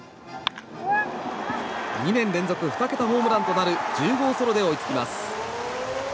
２年連続２桁ホームランとなる１０号ソロで追いつきます。